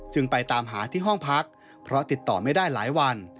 ไปตามหาที่ห้องพักเพราะติดต่อไม่ได้หลายวัน